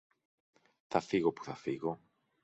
Θα φύγω που θα φύγω!